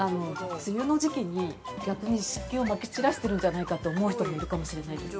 梅雨の時期に、逆に湿気をまき散らしてるんじゃないかって思う人もいるかもしれないです